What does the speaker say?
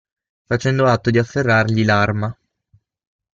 Facendo atto di afferrargli l'arma.